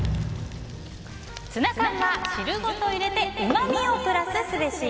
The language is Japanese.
ツナ缶は汁ごと入れてうまみをプラスすべし。